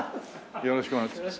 よろしくお願いします。